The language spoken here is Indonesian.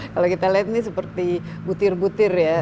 kalau kita lihat ini seperti butir butir ya